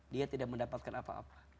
dia tidak mendapatkan apa apa